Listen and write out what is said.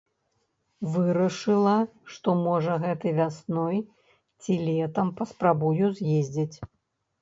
Вырашыла, што можа гэтай вясной ці летам паспрабую з'ездзіць.